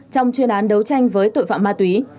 trong chuyên án đấu tranh với tội phạm ma túy